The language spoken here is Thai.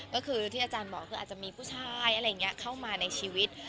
ก็คือที่อาจารย์บอกอาจจะมีผู้ชายเข้ามาในชีวิต